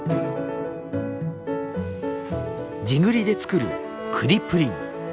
地栗で作る栗プリン。